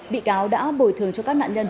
bị cáo đã bồi thường cho các nạn nhân